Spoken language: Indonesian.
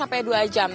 sampai dua jam